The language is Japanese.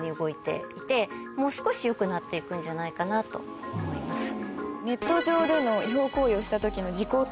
もう少しよくなって行くんじゃないかなと思います。